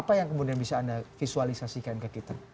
apa yang kemudian bisa anda visualisasikan ke kita